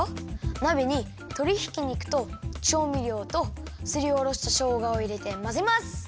なべにとりひき肉とちょうみりょうとすりおろしたしょうがをいれてまぜます。